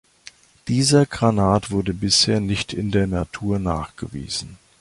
Dieser Granat wurde bisher nicht in der Natur nachgewiesen.